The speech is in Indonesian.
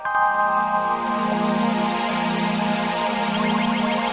kau tidak akan mendapatkan apapun ditempat ini